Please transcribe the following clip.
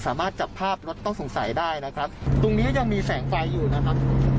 สามารถจับภาพรถต้องสงสัยได้นะครับตรงนี้ยังมีแสงไฟอยู่นะครับ